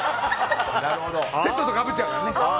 セットとかぶっちゃうからね。